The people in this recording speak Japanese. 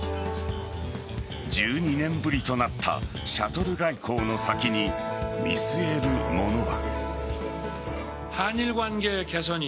１２年ぶりとなったシャトル外交の先に見据えるものは。